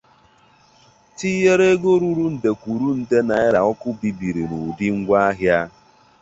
tinyere ego ruru nde kwuru nde naịra ọkụ bibiri n'ụdị ngwaahịa.